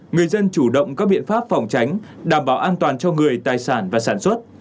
người dân chủ động các biện pháp phòng tránh đảm bảo an toàn cho người tài sản và sản xuất